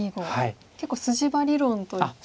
結構筋場理論といった。